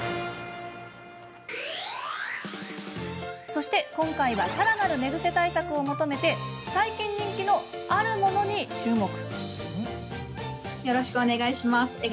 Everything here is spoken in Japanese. そして今回はさらなる寝ぐせ対策を求めて最近、人気のあるものに注目。